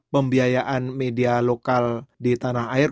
pembiayaan media lokal di tanah air